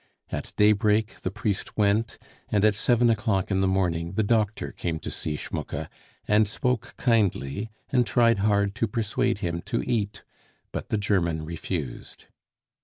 At daybreak the priest went, and at seven o'clock in the morning the doctor came to see Schmucke, and spoke kindly and tried hard to persuade him to eat, but the German refused.